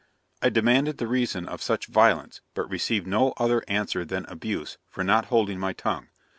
I demanded the reason of such violence, but received no other answer than abuse, for not holding my tongue.